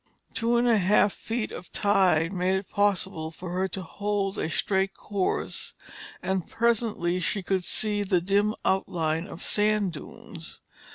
The two and a half feet of tide made it possible for her to hold a straight course and presently she could see the dim outline of sand dunes.